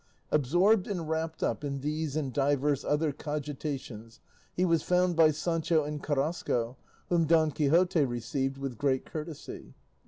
Absorbed and wrapped up in these and divers other cogitations, he was found by Sancho and Carrasco, whom Don Quixote received with great courtesy.